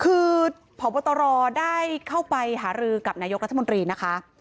คือพบตรได้เข้าไปหารือกับนายกรัฐมนตรีนะคะ